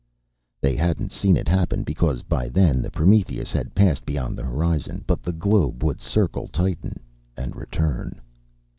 They hadn't seen it happen because by then the Prometheus had passed beyond the horizon. But the globe would circle Titan and return.